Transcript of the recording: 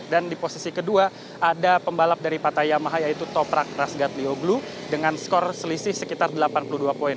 dan di posisi kedua ada pembalap dari patayamaha yaitu toprak rasgatlioglu dengan skor selisih sekitar delapan puluh dua poin